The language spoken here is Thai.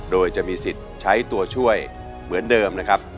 โดยจะมีสิทธิ์ใช้ตัวช่วยเหมือนเดิมนะครับ